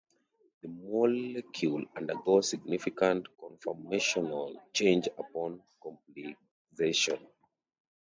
The molecule undergoes significant conformational change upon complexation.